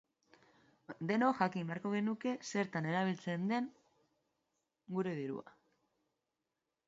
Denok jakin beharko genuke zertan erabiltzen den gure dirua?